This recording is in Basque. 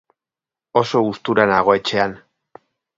oso gustura nago etxean